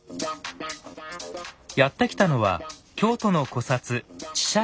やって来たのは京都の古刹